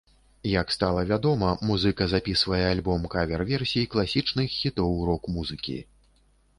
Як стала вядома, музыка запісвае альбом кавер-версій класічных хітоў рок-музыкі.